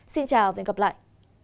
xin chào và hẹn gặp lại